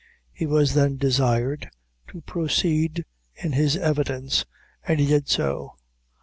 He was then desired to proceed in his evidence, and he did so.